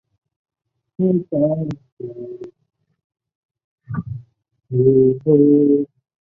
国舅房林牙萧和尚的儿子。